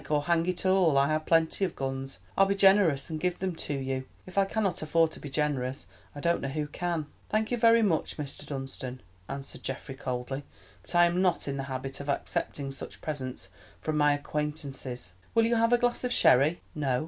Or, hang it all, I have plenty of guns. I'll be generous and give them to you. If I cannot afford to be generous, I don't know who can!" "Thank you very much, Mr. Dunstan," answered Geoffrey coldly, "but I am not in the habit of accepting such presents from my—acquaintances. Will you have a glass of sherry?—no.